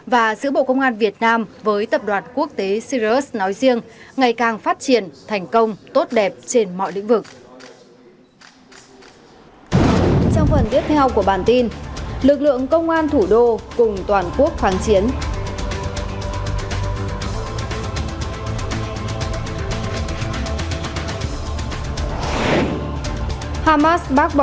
và giữa bộ công an việt nam với tập đoàn quốc tế sirius nói riêng ngày càng phát triển thành công tốt đẹp trên mọi lĩnh vực